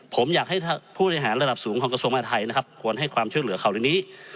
ผมอยากให้ผู้ทะหารระดับสูงของกระทรวงบนมาตรไทยควรให้ความช่วยเหลือเขาด้วยนี้